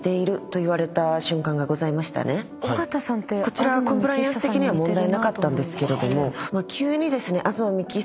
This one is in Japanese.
こちらコンプライアンス的には問題なかったんですけれども。